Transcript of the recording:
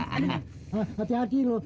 hah hati hati loh